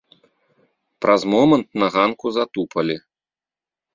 Праз момант на ганку затупалі.